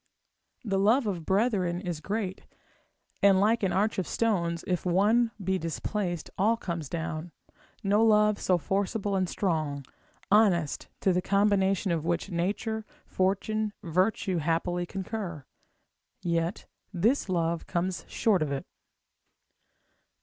The love of brethren is great, and like an arch of stones, where if one be displaced, all comes down, no love so forcible and strong, honest, to the combination of which, nature, fortune, virtue, happily concur; yet this love comes short of it.